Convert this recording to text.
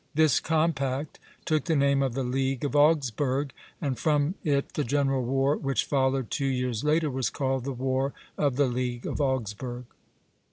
This compact took the name of the League of Augsburg, and from it the general war which followed two years later was called the War of the League of Augsburg.